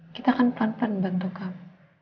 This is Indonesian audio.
kita akan pelan pelan bantu kamu